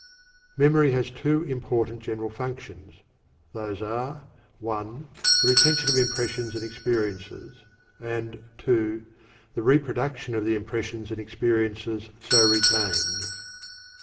Memory has two important general functions, viz.: (1) The retention of impressions and experiences; and (2) the reproduction of the impressions and experiences so retained.